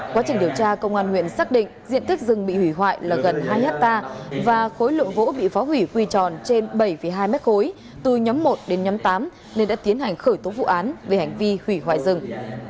quá trình điều tra công an huyện xác định diện tích rừng bị hủy hoại là gần hai hectare và khối lượng gỗ bị phá hủy quy tròn trên bảy hai mét khối từ nhóm một đến nhóm tám nên đã tiến hành khởi tố vụ án về hành vi hủy hoại rừng